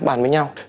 bàn với nhau